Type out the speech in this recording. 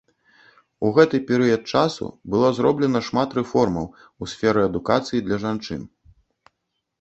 У гэты перыяд часу было зроблена шмат рэформаў у сферы адукацыі для жанчын.